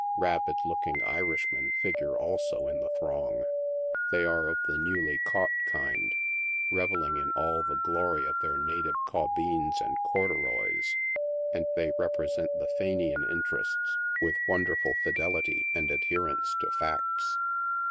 Rabid looking Irishmen figure also in the throng. They are of the newly caught kind, revelling in all the glory of their native caubeens and cordu roys, and they represent the Fenian interests with wonderful fidelity and adherence to facts.